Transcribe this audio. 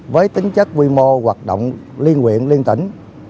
với tính chất quy mô hoạt động liên quyện liên tỉnh